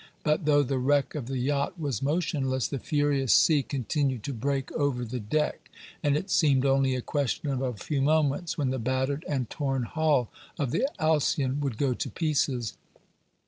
But though the wreck of the yacht was motionless, the furious sea continued to break over the deck, and it seemed only a question of a few moments when the battered and torn hull of the Alcyon would go to pieces.